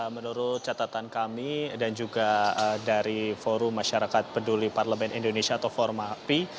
menurut catatan kami dan juga dari forum masyarakat peduli parlemen indonesia atau formapi